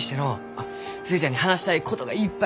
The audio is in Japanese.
あっ寿恵ちゃんに話したいことがいっぱい。